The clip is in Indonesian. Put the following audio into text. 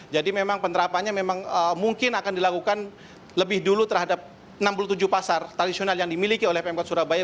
jadi memang penerapannya memang mungkin akan dilakukan lebih dulu terhadap enam puluh tujuh pasar tradisional yang dimiliki oleh pemkot surabaya